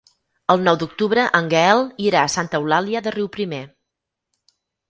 El nou d'octubre en Gaël irà a Santa Eulàlia de Riuprimer.